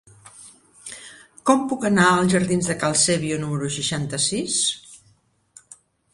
Com puc anar als jardins de Cal Sèbio número seixanta-sis?